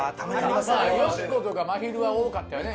よしことかまひるは多かったよね